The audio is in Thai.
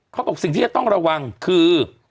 เขาบอกสิ่งที่จะต้องระวังคือ